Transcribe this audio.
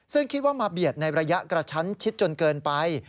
ซึ่งคิดว่ามาเบียดในระยะกระชั้นชิดจนเกินไป